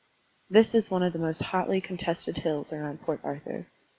This is one of the most hotly contested hills around Port Arthur.